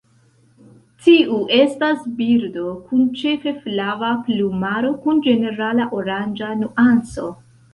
Tiu estas birdo, kun ĉefe flava plumaro kun ĝenerala oranĝa nuanco.